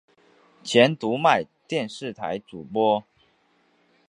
前读卖电视台主播。